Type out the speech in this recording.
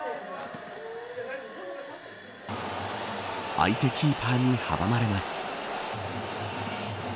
相手キーパーに阻まれます。